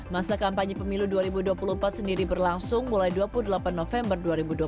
masa kampanye pemilu dua ribu dua puluh empat sendiri berlangsung mulai dua puluh delapan november dua ribu dua puluh